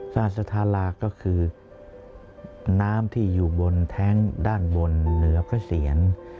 ราชธาราก็คือน้ำที่อยู่บนแท้งด้านบนเหนือพระเสียร